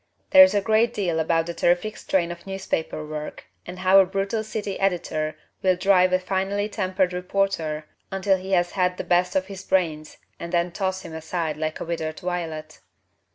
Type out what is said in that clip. There is a great deal about the terrific strain of newspaper work and how a brutal city editor will drive a finely tempered reporter until he has had the best of his brains and then toss him aside like a withered violet.